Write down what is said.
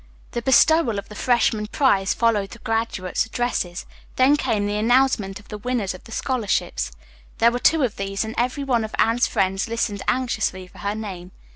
The bestowal of the freshman prize followed the graduates' addresses. Then came the announcement of the winners of the scholarships. There were two of these and every one of Anne's friends listened anxiously for her name.